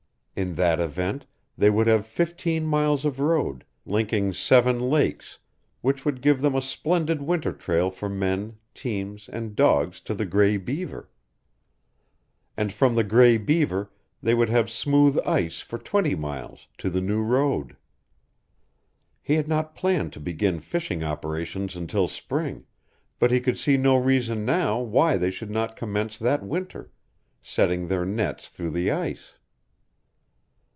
In that event, they would have fifteen miles of road, linking seven lakes, which would give them a splendid winter trail for men, teams, and dogs to the Gray Beaver. And from the Gray Beaver they would have smooth ice for twenty miles, to the new road. He had not planned to begin fishing operations until spring, but he could see no reason now why they should not commence that winter, setting their nets through the ice.